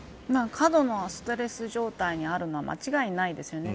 過度のストレス状態にあるのは間違いないですね。